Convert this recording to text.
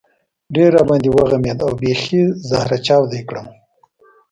ډېر را باندې وغمېد او بېخي زهره چاودی کړم.